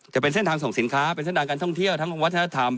จะเป็นเส้นทางส่งสินค้าเป็นเส้นทางการท่องเที่ยวทั้งวัฒนธรรม